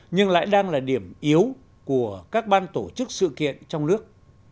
nhưng lại đang là điểm yếu của các ban tổ chức sự kiện trong nước